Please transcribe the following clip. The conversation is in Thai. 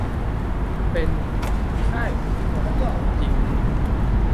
เป็น "ค่ายภูมิพล" จริง